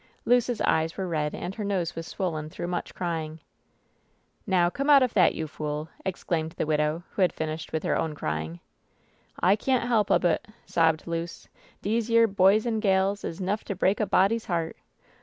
Luce's eyes were red, and her nose was swollen through much crying. "Now, come out of that, you fool!" exclaimed the widow, who had finished with her 6wn crying. ^ 'T[ can't help ob it !" sobbed Luce. "Dese yere boys an' gals is 'nough to break a body's heart